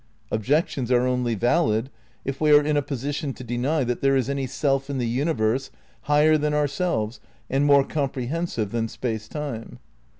Objections are only valid if we are in a posi tion to (^ny that there is any Self in the universe higher than ourselves and more comprehensive than Space Time.